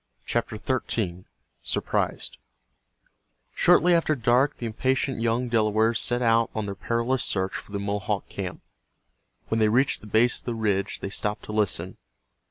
CHAPTER XIII—SURPRISED Shortly after dark the impatient young Delawares set out on their perilous search for the Mohawk camp. When they reached the base of the ridge they stopped to listen.